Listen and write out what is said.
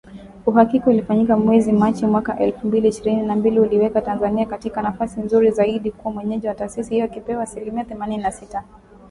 Uhakiki ulifanyika mwezi Machi mwaka elfu mbili ishirini na mbili uliiweka Tanzania katika nafasi nzuri zaidi kuwa mwenyeji wa taasisi hiyo ikipewa asilimia themanini na sita